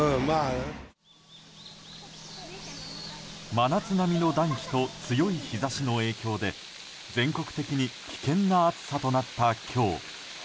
真夏並みの暖気と強い日差しの影響で全国的に危険な暑さとなった今日。